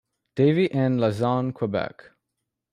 Davie in Lauzon, Quebec.